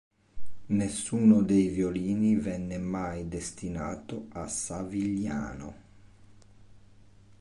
Nessuno dei violini venne mai destinato a Savigliano.